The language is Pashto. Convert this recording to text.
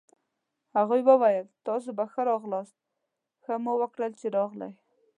هغوی وویل: تاسي په ښه راغلاست، ښه مو وکړل چي راغلئ.